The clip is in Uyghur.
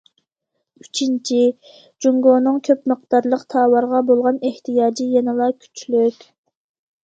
ئۈچىنچى، جۇڭگونىڭ كۆپ مىقدارلىق تاۋارغا بولغان ئېھتىياجى يەنىلا كۈچلۈك.